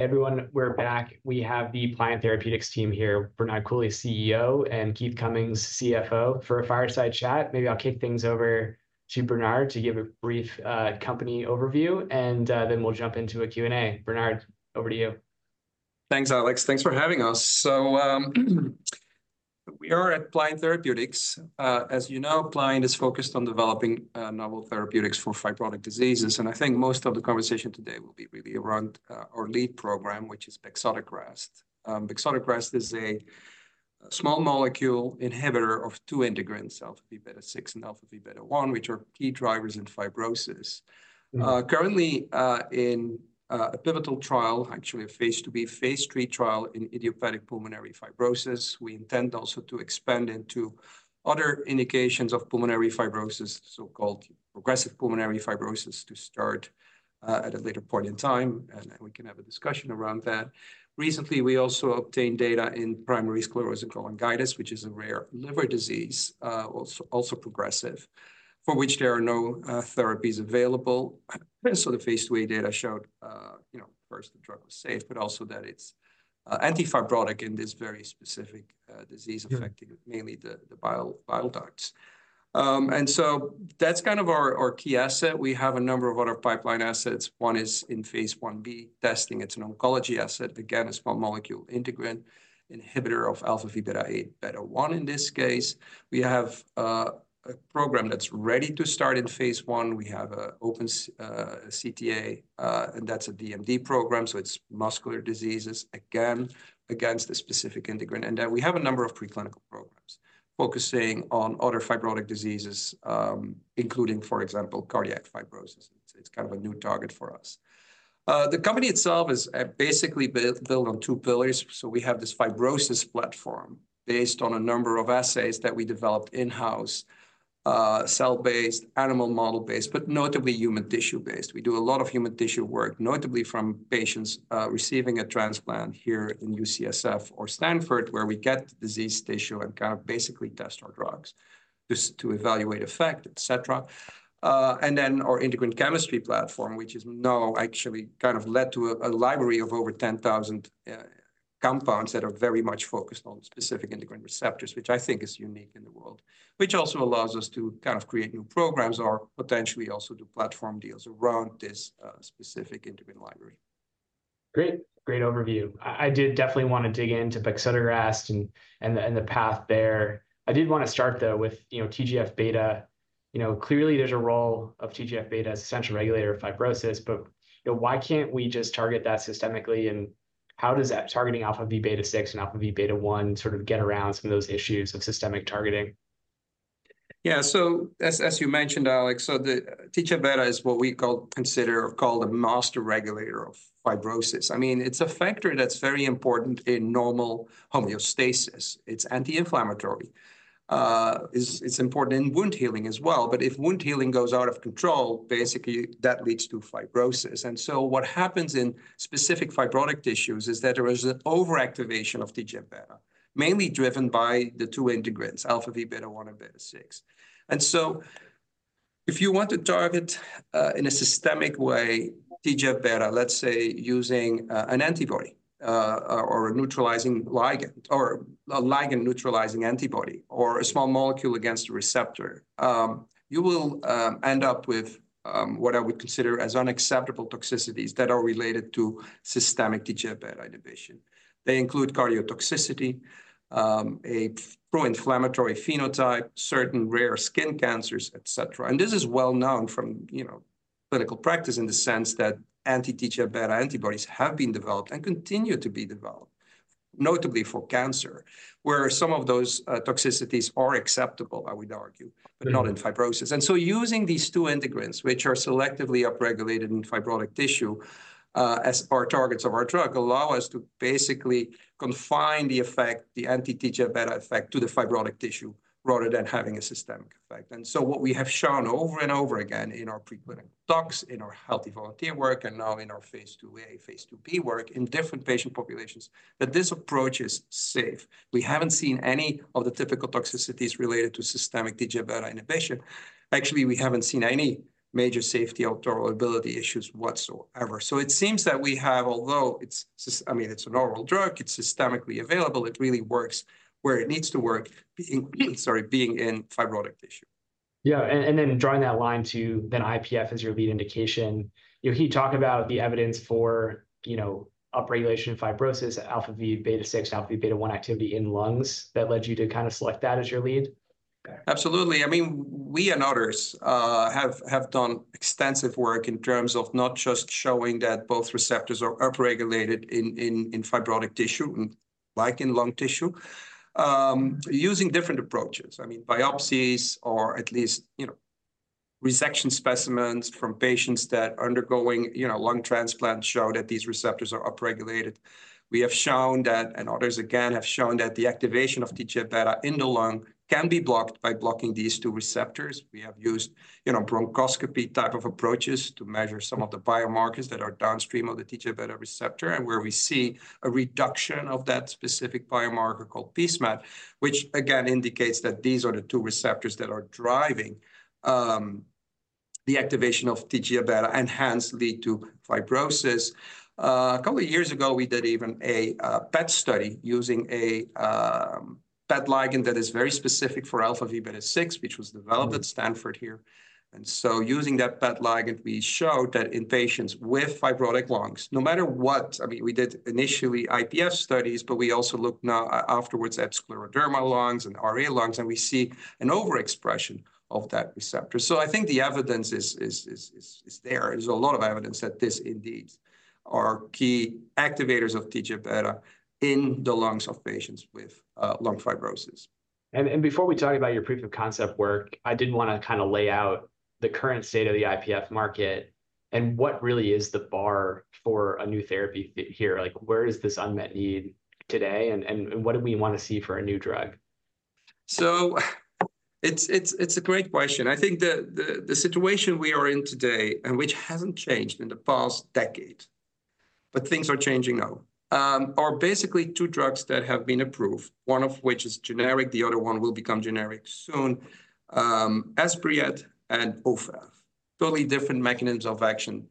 Everyone, we're back. We have the Pliant Therapeutics team here, Bernard Coulie, CEO, and Keith Cummins, CFO, for a fireside chat. Maybe I'll kick things over to Bernard to give a brief company overview, and then we'll jump into a Q&A. Bernard, over to you. Thanks, Alex. Thanks for having us. So, we are at Pliant Therapeutics. As you know, Pliant is focused on developing novel therapeutics for fibrotic diseases, and I think most of the conversation today will be really around our lead program, which is bexotegrast. Bexotegrast is a small-molecule inhibitor of two integrins, αvβ6 and αvβ1, which are key drivers in fibrosis Currently, in a pivotal trial, actually a phase II-B, phase III trial in idiopathic pulmonary fibrosis, we intend also to expand into other indications of pulmonary fibrosis, so-called progressive pulmonary fibrosis, to start, at a later point in time, and then we can have a discussion around that. Recently, we also obtained data in primary sclerosing cholangitis, which is a rare liver disease, also progressive, for which there are no, therapies available. So the phase II-A data showed, you know, first, the drug was safe, but also that it's, anti-fibrotic in this very specific, disease- Affecting mainly the bile ducts. And so that's kind of our key asset. We have a number of other pipeline assets. One is in phase 1b testing. It's an oncology asset, again, a small molecule integrin inhibitor of αvβ1 in this case. We have a program that's ready to start in phase I. We have an open CTA, and that's a DMD program, so it's muscular diseases, again, against a specific integrin. And we have a number of preclinical programs focusing on other fibrotic diseases, including, for example, cardiac fibrosis. It's kind of a new target for us. The company itself is basically built on two pillars. So we have this fibrosis platform based on a number of assays that we developed in-house, cell-based, animal model-based, but notably human tissue-based. We do a lot of human tissue work, notably from patients receiving a transplant here in UCSF or Stanford, where we get the disease tissue and kind of basically test our drugs, just to evaluate effect, et cetera, and then our integrin chemistry platform, which is now actually kind of led to a library of over 10,000 compounds that are very much focused on specific integrin receptors, which I think is unique in the world, which also allows us to kind of create new programs or potentially also do platform deals around this specific integrin library. Great, great overview. I did definitely wanna dig into bexotegrast and the path there. I did want to start, though, with, you know, TGF-beta. You know, clearly there's a role of TGF-beta as a central regulator of fibrosis, but, you know, why can't we just target that systemically? And how does that targeting αvβ6 and αvβ1 sort of get around some of those issues of systemic targeting? Yeah, so as you mentioned, Alex, so the TGF-beta is what we consider or call a master regulator of fibrosis. I mean, it's a factor that's very important in normal homeostasis. It's anti-inflammatory. It's important in wound healing as well, but if wound healing goes out of control, basically that leads to fibrosis. And so what happens in specific fibrotic tissues is that there is an overactivation of TGF-beta, mainly driven by the two integrins, αvβ1 and αvβ6. And so if you want to target in a systemic way TGF-beta, let's say, using an antibody or a neutralizing ligand, or a ligand-neutralizing antibody, or a small molecule against the receptor, you will end up with what I would consider as unacceptable toxicities that are related to systemic TGF-beta inhibition. They include cardiotoxicity, a pro-inflammatory phenotype, certain rare skin cancers, et cetera. And this is well known from, clinical practice in the sense that anti-TGF-beta antibodies have been developed and continue to be developed, notably for cancer, where some of those, toxicities are acceptable, I would argue- But not in fibrosis, and so using these two integrins, which are selectively upregulated in fibrotic tissue, as our targets of our drug, allow us to basically confine the effect, the anti-TGF-beta effect, to the fibrotic tissue, rather than having a systemic effect, and so what we have shown over and over again in our pre-clinical talks, in our healthy volunteer work, and now in our phase II-A, phase II-B work in different patient populations, that this approach is safe. We haven't seen any of the typical toxicities related to systemic TGF-beta inhibition. Actually, we haven't seen any major safety or tolerability issues whatsoever, so it seems that we have, although it's, I mean, it's an oral drug, it's systemically available, it really works where it needs to work, being in fibrotic tissue. Yeah, and then drawing that line to then IPF as your lead indication, you know, can you talk about the evidence for upregulation of fibrosis, αvβ6, αvβ1 activity in lungs, that led you to kind of select that as your lead? Absolutely. I mean, we and others have done extensive work in terms of not just showing that both receptors are upregulated in fibrotic tissue and like in lung tissue using different approaches. I mean, biopsies or at least, you know, resection specimens from patients that are undergoing, you know, lung transplant show that these receptors are upregulated. We have shown that, and others again have shown, that the activation of TGF-beta in the lung can be blocked by blocking these two receptors. We have used, you know, bronchoscopy-type of approaches to measure some of the biomarkers that are downstream of the TGF-beta receptor, and where we see a reduction of that specific biomarker called pSMAD, which again indicates that these are the two receptors that are driving the activation of TGF-beta and hence lead to fibrosis. A couple of years ago, we did even a PET study using a PET ligand that is very specific for alpha V beta 6, which was developed at Stanford here. And so using that PET ligand, we showed that in patients with fibrotic lungs, no matter what. I mean, we did initially IPF studies, but we also looked now afterwards at scleroderma lungs and RA lungs, and we see an overexpression of that receptor. So I think the evidence is there. There's a lot of evidence that this indeed are key activators of TGF-beta in the lungs of patients with lung fibrosis. Before we talk about your proof of concept work, I did want to kind of lay out the current state of the IPF market and what really is the bar for a new therapy here. Like, where is this unmet need today, and what do we want to see for a new drug? So it's a great question. I think the situation we are in today, and which hasn't changed in the past decade, but things are changing now, are basically two drugs that have been approved, one of which is generic, the other one will become generic soon. Esbriet and Ofev, totally different mechanisms of action,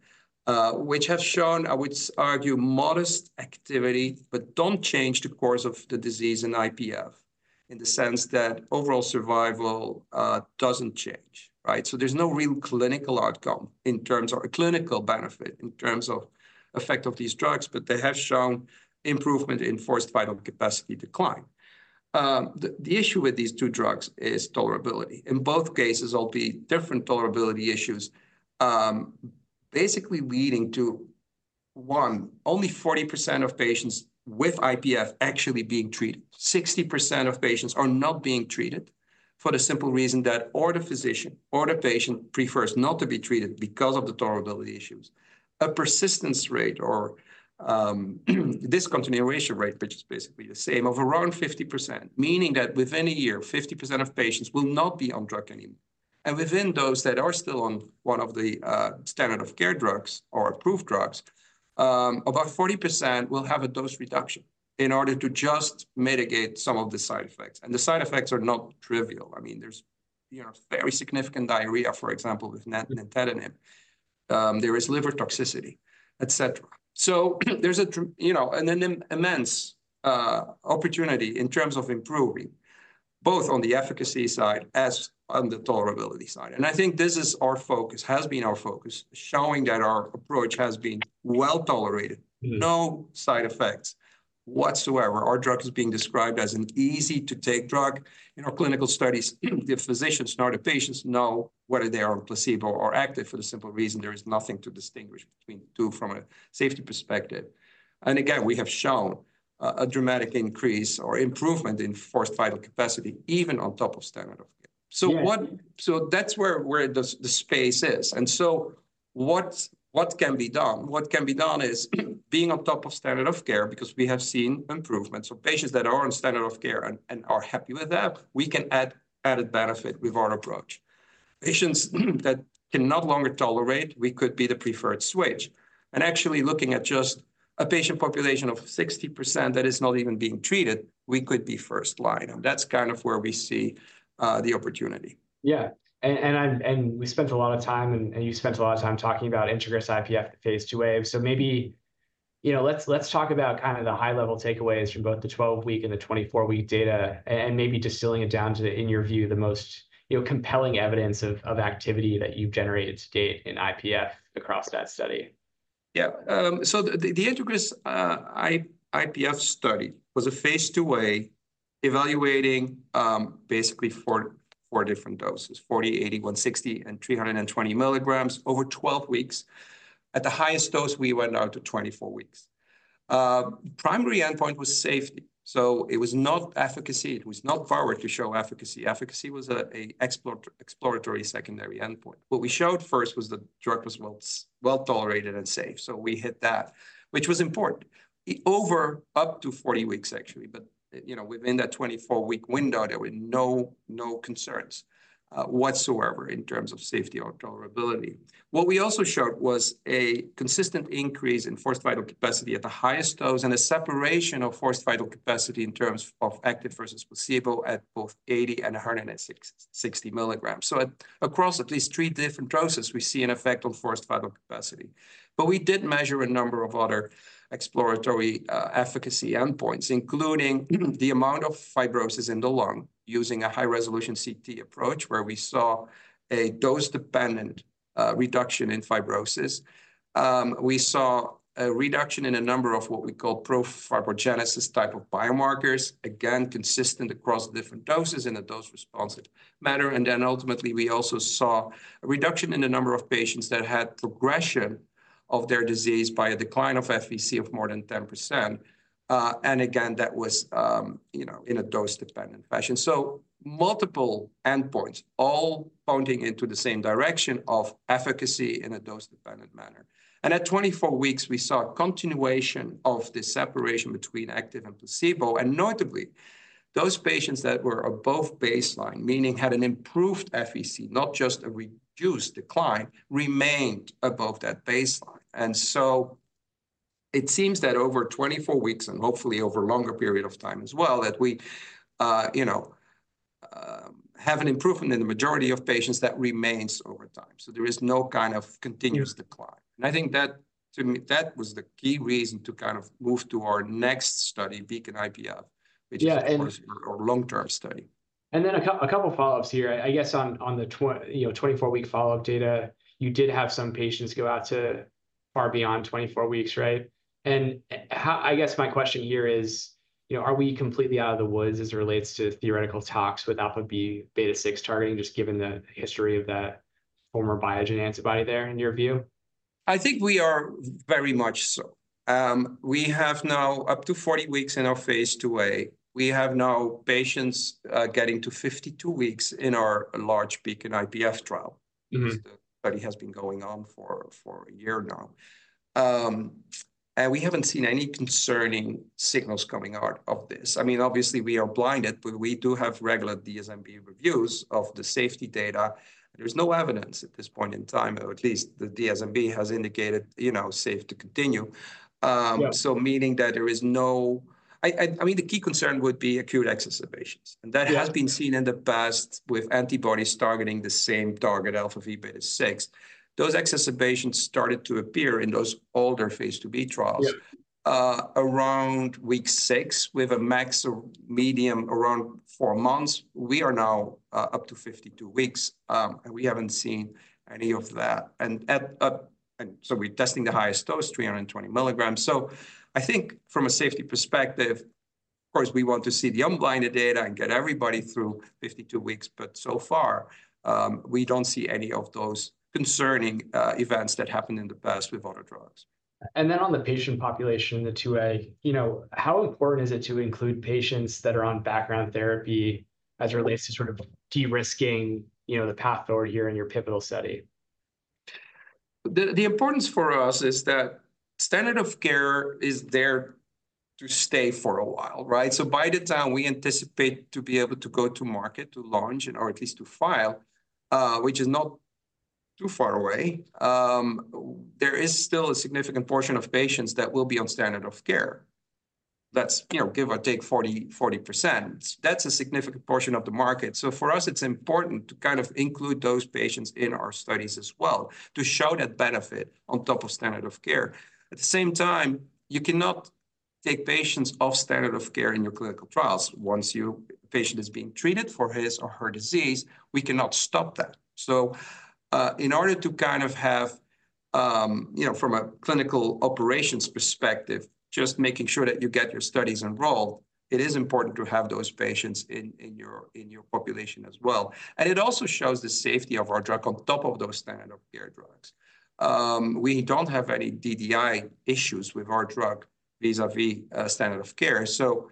which have shown, I would argue, modest activity, but don't change the course of the disease in IPF, in the sense that overall survival doesn't change, right? So there's no real clinical outcome in terms of--or clinical benefit, in terms of effect of these drugs, but they have shown improvement in forced vital capacity decline. The issue with these two drugs is tolerability. In both cases, there'll be different tolerability issues, basically leading to only 40% of patients with IPF actually being treated. 60% of patients are not being treated for the simple reason that or the physician or the patient prefers not to be treated because of the tolerability issues. A persistence rate or, discontinuation rate, which is basically the same, of around 50%, meaning that within a year, 50% of patients will not be on drug anymore, and within those that are still on one of the standard of care drugs or approved drugs, about 40% will have a dose reduction in order to just mitigate some of the side effects, and the side effects are not trivial. I mean, there's you know, very significant diarrhea, for example, with nintedanib. There is liver toxicity, et cetera. So there's a, you know, an immense opportunity in terms of improving, both on the efficacy side as on the tolerability side. And I think this is our focus, has been our focus, showing that our approach has been well tolerated- no side effects whatsoever. Our drug is being described as an easy-to-take drug. In our clinical studies, the physicians, not the patients, know whether they are on placebo or active for the simple reason there is nothing to distinguish between the two from a safety perspective. And again, we have shown a dramatic increase or improvement in forced vital capacity, even on top of standard of care. So that's where the space is. And so what can be done? What can be done is being on top of standard of care because we have seen improvements. So patients that are on standard of care and are happy with that, we can add added benefit with our approach. Patients that can no longer tolerate, we could be the preferred switch. And actually, looking at just a patient population of 60% that is not even being treated, we could be first line, and that's kind of where we see the opportunity. Yeah. And we spent a lot of time, and you spent a lot of time talking about INTEGRIS-IPF, the phase II-A. So maybe, you know, let's talk about kind of the high-level takeaways from both the twelve-week and the twenty-four-week data, and maybe distilling it down to, in your view, the most, you know, compelling evidence of activity that you've generated to date in IPF across that study. Yeah. So the INTEGRIS-IPF study was a phase II-A, evaluating basically four different doses: 40, 80, 160, and 320 mgs over 12 weeks. At the highest dose, we went out to 24 weeks. Primary endpoint was safety, so it was not efficacy. It was not powered to show efficacy. Efficacy was a exploratory secondary endpoint. What we showed first was the drug was well tolerated and safe, so we hit that, which was important. It up to 40 weeks, actually, but you know, within that 24-week window, there were no concerns whatsoever in terms of safety or tolerability. What we also showed was a consistent increase in forced vital capacity at the highest dose and a separation of forced vital capacity in terms of active versus placebo at both eighty and one hundred and sixty milligrams, so across at least three different doses, we see an effect on forced vital capacity, but we did measure a number of other exploratory efficacy endpoints, including the amount of fibrosis in the lung, using a high-resolution CT approach, where we saw a dose-dependent reduction in fibrosis. We saw a reduction in a number of what we call pro-fibrogenesis type of biomarkers, again, consistent across the different doses in a dose-responsive manner, and then ultimately, we also saw a reduction in the number of patients that had progression of their disease by a decline of FVC of more than 10%. And again, that was, you know, in a dose-dependent fashion. So multiple endpoints, all pointing in the same direction of efficacy in a dose-dependent manner. And at 24 weeks, we saw a continuation of the separation between active and placebo, and notably, those patients that were above baseline, meaning had an improved FVC, not just a reduced decline, remained above that baseline. And so it seems that over 24 weeks, and hopefully over a longer period of time as well, that we have an improvement in the majority of patients that remains over time. So there is no kind of continuous decline. And I think that, to me, that was the key reason to kind of move to our next study, BEACON-IPF, which is- Yeah, and- Of course, our long-term study. Then a couple follow-ups here. I guess on the 24-week follow-up data, you did have some patients go out to far beyond 24 weeks, right? And I guess my question here is are we completely out of the woods as it relates to theoretical talks with αvβ6 targeting, just given the history of that former Biogen antibody there, in your view? I think we are very much so. We have now up to 40 weeks in our phase II-A. We have now patients getting to 52 weeks in our large BEACON-IPF trial. Because the study has been going on for a year now. And we haven't seen any concerning signals coming out of this. I mean, obviously, we are blinded, but we do have regular DSMB reviews of the safety data. There's no evidence at this point in time, or at least the DSMB has indicated, you know, safe to continue. So, meaning that there is no-- I mean, the key concern would be acute exacerbations. That has been seen in the past with antibodies targeting the same target, αvβ6. Those exacerbations started to appear in those older phase II-B trials. Around week six, with a max or median around four months. We are now up to 52 weeks, and we haven't seen any of that, and so we're testing the highest dose, 320 mgs. So I think from a safety perspective, of course, we want to see the unblinded data and get everybody through 52 weeks, but so far, we don't see any of those concerning events that happened in the past with other drugs. And then on the patient population, the II-A, you know, how important is it to include patients that are on background therapy as it relates to sort of de-risking, you know, the path forward here in your pivotal study? The importance for us is that standard of care is there to stay for a while, right? So by the time we anticipate to be able to go to market, to launch, and or at least to file, which is not too far away, there is still a significant portion of patients that will be on standard of care. That's, you know, give or take 40%. That's a significant portion of the market. So for us, it's important to kind of include those patients in our studies as well, to show that benefit on top of standard of care. At the same time, you cannot take patients off standard of care in your clinical trials. Once your patient is being treated for his or her disease, we cannot stop that. In order to kind of have, you know, from a clinical operations perspective, just making sure that you get your studies enrolled, it is important to have those patients in your population as well. And it also shows the safety of our drug on top of those standard of care drugs. We don't have any DDI issues with our drug vis-à-vis standard of care, so,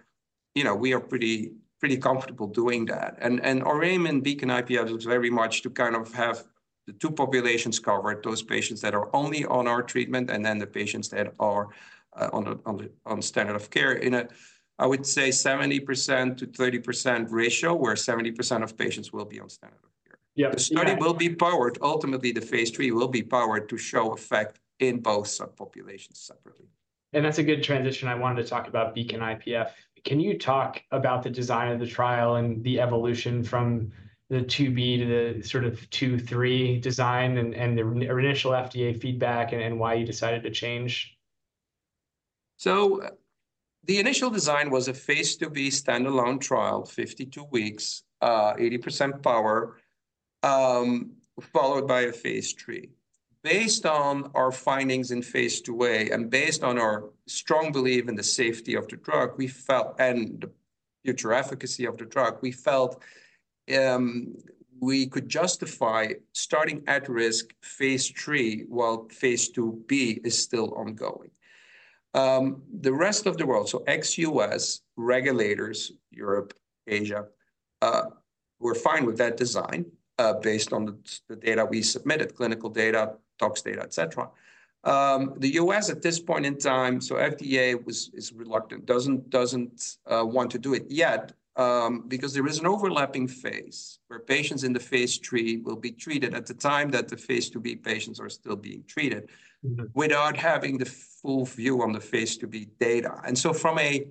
you know, we are pretty comfortable doing that. And our aim in BEACON IPF is very much to kind of have the two populations covered, those patients that are only on our treatment, and then the patients that are on standard of care, in a I would say 70%-30% ratio, where 70% of patients will be on standard of care. The study will be powered. Ultimately, the phase III will be powered to show effect in both subpopulations separately. That's a good transition. I wanted to talk about BEACON-IPF. Can you talk about the design of the trial and the evolution from the II-B to the sort of II-B/III design and the initial FDA feedback, and then why you decided to change? So the initial design was a phase II-B standalone trial, 52 weeks, 80% power, followed by a phase III. Based on our findings in phase II-A, and based on our strong belief in the safety of the drug, we felt and the future efficacy of the drug, we felt, we could justify starting at-risk phase III while phase II-B is still ongoing. The rest of the world, so ex-U.S. regulators, Europe, Asia, were fine with that design, based on the data we submitted, clinical data, tox data, et cetera. The U.S., at this point in time, so FDA is reluctant, doesn't want to do it yet, because there is an overlapping phase, where patients in the phase III will be treated at the time that the phase II-B patients are still being treated. Without having the full view on the phase 2b data. And so from a,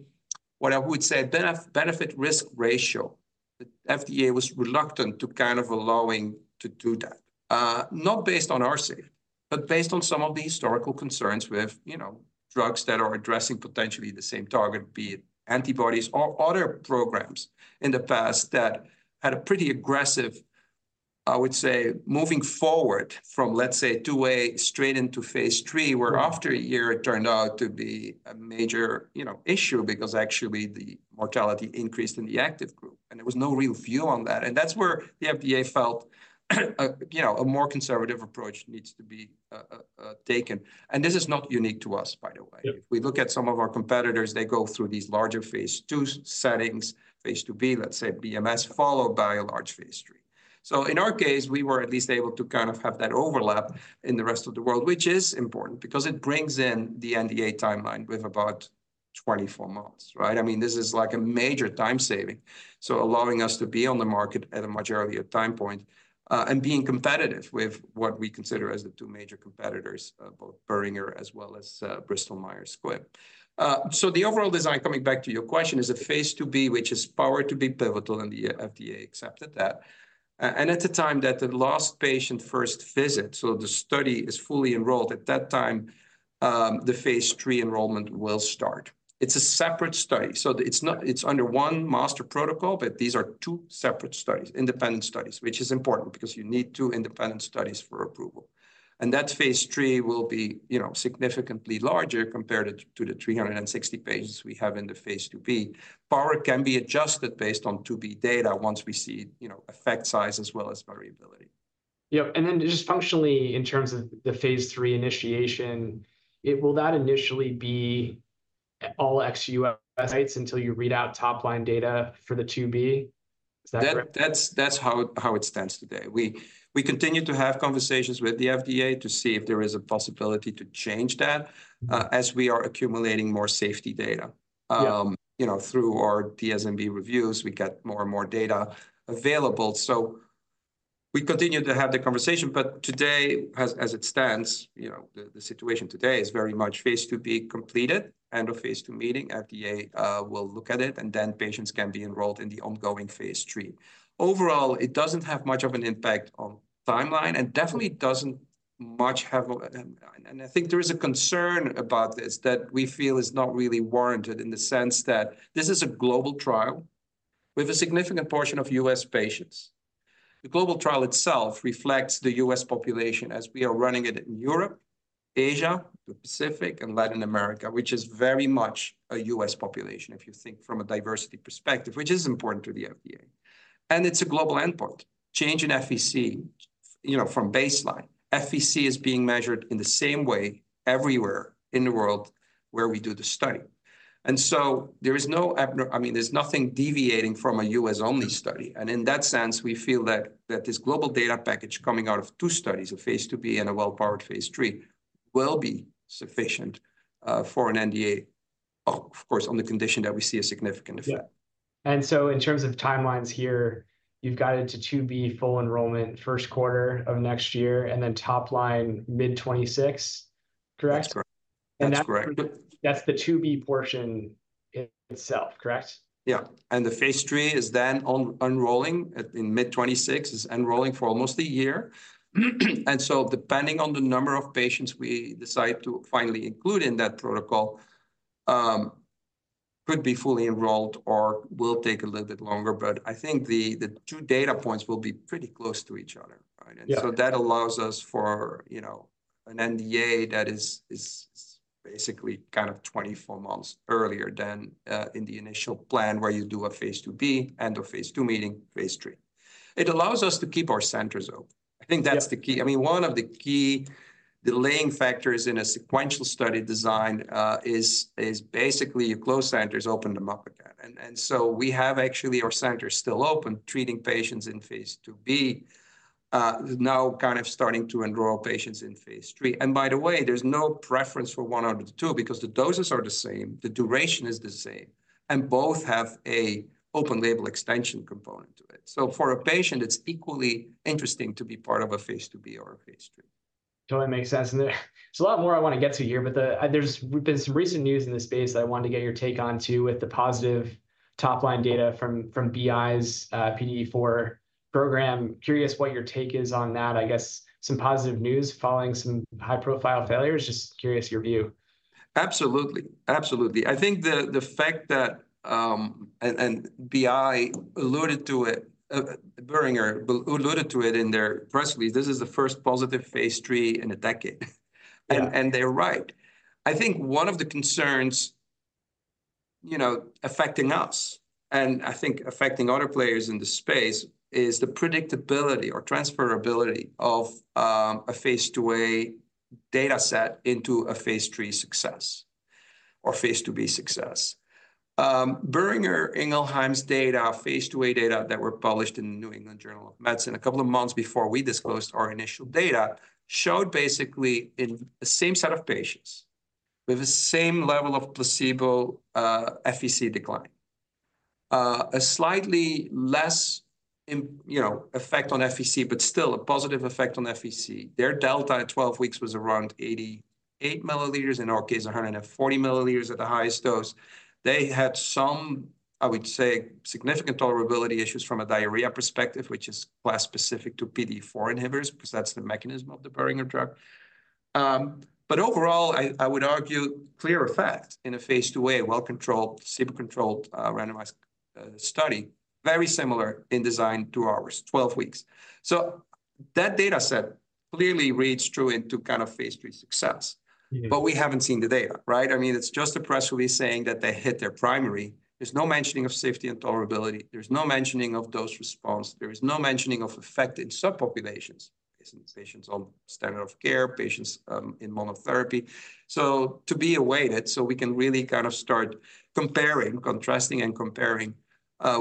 what I would say, benefit-risk ratio, the FDA was reluctant to kind of allowing to do that. Not based on our safety, but based on some of the historical concerns with, you know, drugs that are addressing potentially the same target, be it antibodies or other programs in the past that had a pretty aggressive, I would say, moving forward from, let's say, II-A straight into phase III- Where after a year, it turned out to be a major, you know, issue, because actually the mortality increased in the active group, and there was no real view on that. And that's where the FDA felt, you know, a more conservative approach needs to be taken. And this is not unique to us, by the way. If we look at some of our competitors, they go through these larger phase IIs settings, phase II-B, let's say BMS, followed by a large phase III. So in our case, we were at least able to kind of have that overlap in the rest of the world, which is important, because it brings in the NDA timeline with about 24 months, right? I mean, this is like a major time saving, so allowing us to be on the market at a much earlier time point, and being competitive with what we consider as the two major competitors, both Boehringer as well as, Bristol Myers Squibb. So the overall design, coming back to your question, is a phase II-B, which is powered to be pivotal, and the FDA accepted that. And at the time that the last patient first visit, so the study is fully enrolled, at that time, the phase III enrollment will start. It's a separate study, so it's not. It's under one master protocol, but these are two separate studies, independent studies, which is important, because you need two independent studies for approval. And that phase III will be, you know, significantly larger compared to the 360 patients we have in the phase II-B. Power can be adjusted based on 2b data once we see, you know, effect size as well as variability. Yep, and then just functionally, in terms of the phase III initiation, will that initially be all ex-US sites until you read out top-line data for the II-B? Is that correct? That's how it stands today. We continue to have conversations with the FDA to see if there is a possibility to change that, as we are accumulating more safety data. You know, through our DSMB reviews, we get more and more data available. So we continue to have the conversation, but today, as it stands, you know, the situation today is very much phase II-B completed, end of phase II meeting. FDA will look at it, and then patients can be enrolled in the ongoing phase III. Overall, it doesn't have much of an impact on timeline, and definitely doesn't much have. And I think there is a concern about this that we feel is not really warranted in the sense that this is a global trial with a significant portion of U.S. patients. The global trial itself reflects the U.S. population as we are running it in Europe, Asia, the Pacific, and Latin America, which is very much a U.S. population, if you think from a diversity perspective, which is important to the FDA. It's a global endpoint. Change in FVC, you know, from baseline. FVC is being measured in the same way everywhere in the world where we do the study. And so there is no, I mean, there's nothing deviating from a U.S. only study, and in that sense, we feel that this global data package coming out of two studies, a phase II-B and a well-powered phase III, will be sufficient for an NDA, of course, on the condition that we see a significant effect. Yeah. And so in terms of timelines here, you've got into II-B full enrollment first quarter of next year, and then top line mid 2026, correct? That's correct. That's the II-B portion in itself, correct? Yeah, and the phase 3 is then on-enrolling in mid 2026. It's enrolling for almost a year. And so depending on the number of patients we decide to finally include in that protocol, could be fully enrolled or will take a little bit longer, but I think the two data points will be pretty close to each other, right? That allows us for, you know, an NDA that is basically kind of 24 months earlier than in the initial plan, where you do a phase II-B, end of phase II meeting, phase III. It allows us to keep our centers open. I think that's the key. I mean, one of the key delaying factors in a sequential study design is basically you close centers, open them up again, and so we have actually our centers still open, treating patients in phase II-B, now kind of starting to enroll patients in phase III, and by the way, there's no preference for one out of the two, because the doses are the same, the duration is the same, and both have a open label extension component to it, so for a patient, it's equally interesting to be part of a phase II-B or a phase III. Totally makes sense, and there's a lot more I want to get to here, but, there's been some recent news in this space that I wanted to get your take on, too, with the positive top-line data from BI's PDE4 program. Curious what your take is on that. I guess some positive news following some high-profile failures. Just curious your view. Absolutely. I think the fact that and BI alluded to it, Boehringer alluded to it in their press release, this is the first positive phase III in a decade. They're right. I think one of the concerns, you know, affecting us, and I think affecting other players in the space, is the predictability or transferability of a phase II-A data set into a phase III success or phase II-B success. Boehringer Ingelheim's data, phase II-A data that were published in the New England Journal of Medicine a couple of months before we disclosed our initial data, showed basically in the same set of patients with the same level of placebo, FVC decline, a slightly less you know, effect on FVC, but still a positive effect on FVC. Their delta at 12 weeks was around 88 milliliters, in our case, 140 milliliters at the highest dose. They had some, I would say, significant tolerability issues from a diarrhea perspective, which is quite specific to PDE4 inhibitors, because that's the mechanism of the Boehringer drug, but overall, I would argue, clear effect in a phase II-A, well-controlled, placebo-controlled, randomized, study, very similar in design to ours, 12 weeks, so that data set clearly reads true into kind of phase III success. But we haven't seen the data, right? I mean, it's just a press release saying that they hit their primary. There's no mentioning of safety and tolerability. There's no mentioning of dose response. There is no mentioning of effect in subpopulations, patients, patients on standard of care, patients, in monotherapy. So to be awaited so we can really kind of start comparing, contrasting and comparing,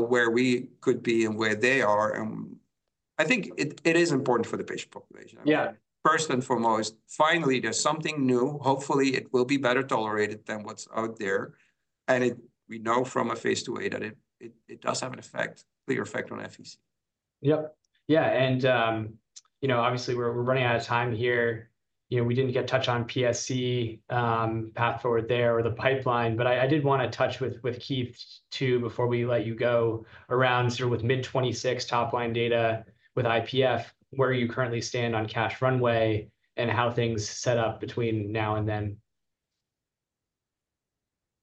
where we could be and where they are, and I think it, it is important for the patient population. First and foremost, finally, there's something new. Hopefully, it will be better tolerated than what's out there, and we know from a phase II-A that it does have an effect, clear effect on FVC. Yeah, and, you know, obviously we're running out of time here. You know, we didn't get to touch on PSC, path forward there or the pipeline, but I did wanna touch with Keith too, before we let you go, around sort of with mid-2026 top line data with IPF, where you currently stand on cash runway, and how things set up between now and then.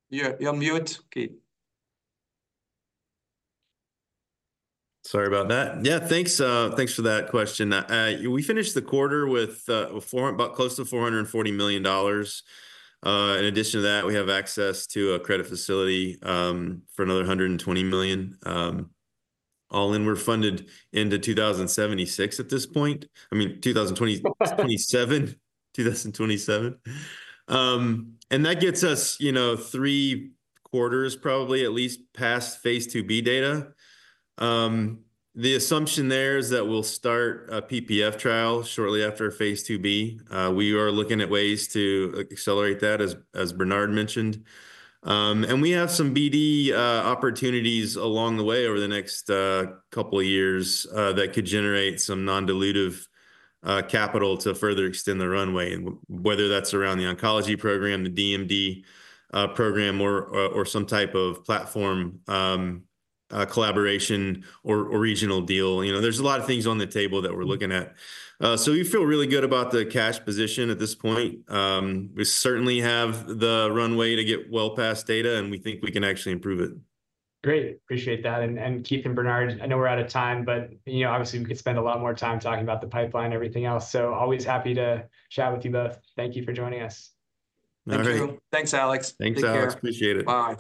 You're mute, Keith. Sorry about that. Yeah, thanks, thanks for that question. We finished the quarter with about close to $440 million. In addition to that, we have access to a credit facility for another $120 million. All in, we're funded into 2026 at this point. I mean, 2027 That gets us, you know, three quarters, probably at least past phase II-B data. The assumption there is that we'll start a PPF trial shortly after phase II-B. We are looking at ways to, like, accelerate that, as Bernard mentioned. And we have some BD opportunities along the way over the next couple of years that could generate some non-dilutive capital to further extend the runway, whether that's around the oncology program, the DMD program, or some type of platform collaboration or regional deal. You know, there's a lot of things on the table that we're looking at. So we feel really good about the cash position at this point. We certainly have the runway to get well past data, and we think we can actually improve it. Great, appreciate that. And, Keith and Bernard, I know we're out of time, but, you know, obviously we could spend a lot more time talking about the pipeline and everything else, so always happy to chat with you both. Thank you for joining us. All right. Thank you. Thanks, Alex. Thanks, Alex. Take care. Appreciate it. Bye.